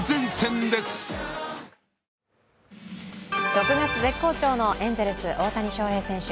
６月絶好調のエンゼルス大谷翔平選手。